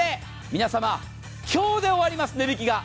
皆様、今日で終わります、値引きが。